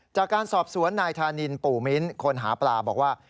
จากการสอบสวนนายธานินปู่มิ้นคนหาปลาบอกว่า